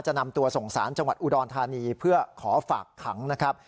นำตัวส่งสารจังหวัดอุดรธานีเพื่อขอฝากขังนะครับ